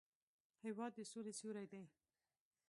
هېواد د سولې سیوری دی.